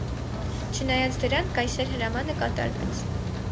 Չնայած դրան, կայսեր հրամանը կատարվեց։